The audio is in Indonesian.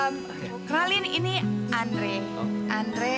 kenalin ini andre